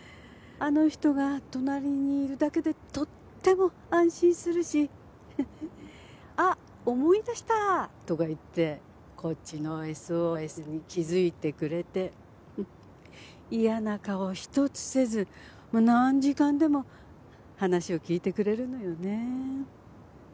あの人が隣にいるだけでとっても安心するし「あっ思い出した！」とか言ってこっちのＳＯＳに気づいてくれて嫌な顔一つせず何時間でも話を聞いてくれるのよね。